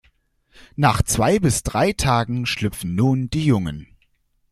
Nach zwei bis drei Tagen schlüpfen nun die Jungen.